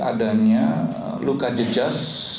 adanya luka jejas